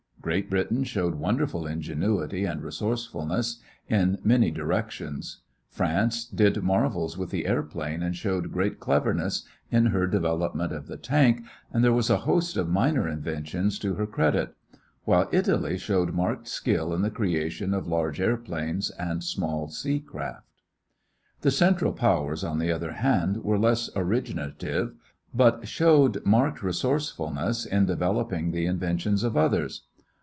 Great Britain showed wonderful ingenuity and resourcefulness in many directions; France did marvels with the airplane and showed great cleverness in her development of the tank and there was a host of minor inventions to her credit; while Italy showed marked skill in the creation of large airplanes and small seacraft. The Central Powers, on the other hand, were less originative but showed marked resourcefulness in developing the inventions of others.